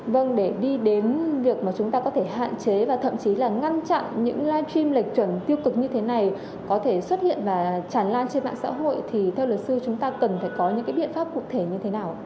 vâng để đi đến việc mà chúng ta có thể hạn chế và thậm chí là ngăn chặn những live stream lệch chuẩn tiêu cực như thế này có thể xuất hiện và tràn lan trên mạng xã hội thì theo luật sư chúng ta cần phải có những cái biện pháp cụ thể như thế nào